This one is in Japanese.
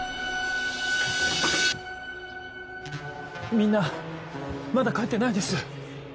みんなまだ帰ってないです！